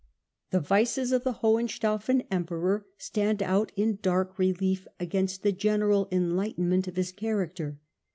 The vices of the Hohenstaufen Emperor stand out in dark relief against the general enlightenment of his character.